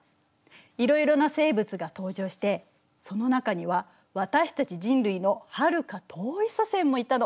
いろいろな生物が登場してその中には私たち人類のはるか遠い祖先もいたの。